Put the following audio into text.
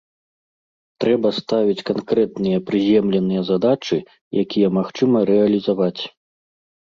Трэба ставіць канкрэтныя прыземленыя задачы, якія магчыма рэалізаваць.